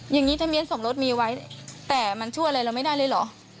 อย่างนี้ทะเบียนสมรสมีไว้แต่มันช่วยอะไรเราไม่ได้เลยเหรอ